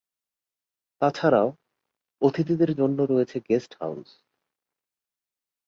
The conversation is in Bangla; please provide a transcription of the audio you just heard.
তাছাড়াও অতিথিদের জন্য রয়েছে গেস্ট হাউজ।